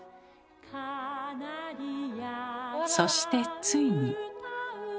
そしてついに。